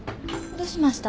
どうしました？